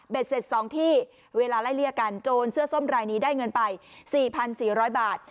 เสร็จ๒ที่เวลาไล่เลี่ยกันโจรเสื้อส้มรายนี้ได้เงินไป๔๔๐๐บาท